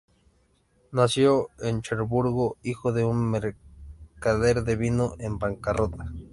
Nació en Cherburgo, hijo de un mercader de vino en bancarrota.